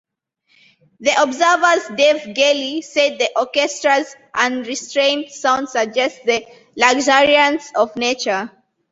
The Observer's Dave Gelly said the orchestra's unrestrained sound suggests the luxuriance of nature.